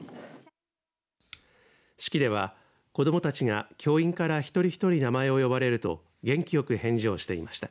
式では子どもたちが教員から一人一人名前を呼ばれると元気よく返事をしていました。